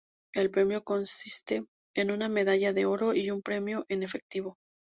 El premio consiste en una medalla de oro y un premio en efectivo.